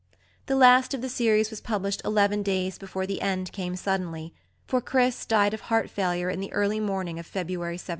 The last of the series was published eleven days before the end came suddenly for "Chris" died of heart failure in the early morning of February 17.